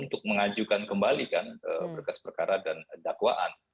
untuk mengajukan kembalikan berkas perkara dan dakwaan